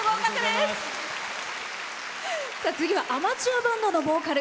次はアマチュアバンドのボーカル。